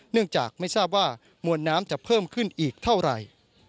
เนื่องจากไม่ทราบว่ามวลน้ำจะเพิ่มขึ้นอีกเท่าไหร่